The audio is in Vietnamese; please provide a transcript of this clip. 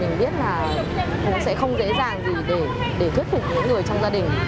mình biết là cũng sẽ không dễ dàng gì để thuyết phục những người trong gia đình